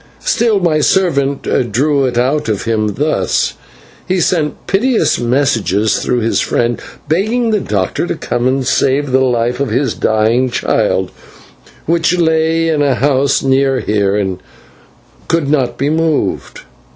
Still, my servant drew it out of him thus: he sent piteous messages through his friend, begging the doctor to come and save the life of his dying child, which lay in a house near here, and could not be moved.